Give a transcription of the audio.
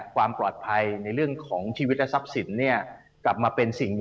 ความปลอดภัยในเรื่องของชีวิตและทรัพย์สินกลับมาเป็นสิ่ง